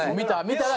見たら。